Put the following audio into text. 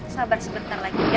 sabar sebentar lagi ya